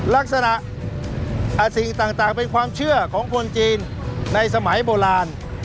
ลักษณะสิ่งต่างเป็นความเชื่อของคนจีนในสมัยโบราณ